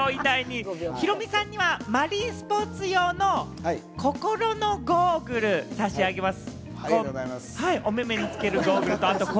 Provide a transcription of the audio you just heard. ヒロミさんにはマリンスポーツ用の心のゴーグル差し上げます。